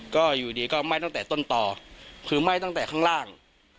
ก็อยู่ดีก็ไหม้ตั้งแต่ต้นต่อคือไหม้ตั้งแต่ข้างล่าง